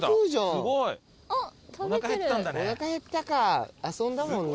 お腹へったか遊んだもんね。